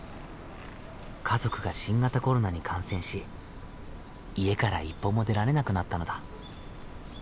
家族が新型コロナに感染し家から一歩も出られなくなったのだ。